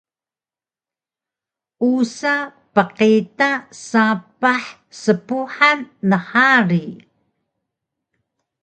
Usa pqita sapah spuhan nhari